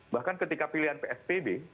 bahkan ketika pilihan psbb